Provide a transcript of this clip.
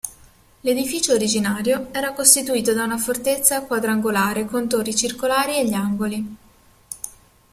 L'edificio originario era costituito da una fortezza quadrangolare con torri circolari agli angoli.